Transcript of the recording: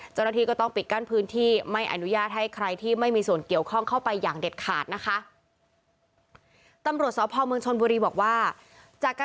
เจ้าหน้าที่ก็ต้องปิดกั้นพื้นที่ไม่อนุญาตให้ใครที่ไม่มีส่วนเกี่ยวข้องเข้าไปอย่างเด็ดขาดนะคะ